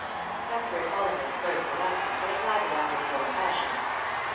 Cuthbert Ollivant learnt the lesson, but applied it after his own fashion.